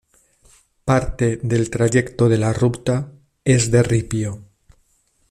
Parte del trayecto de la ruta es de ripio.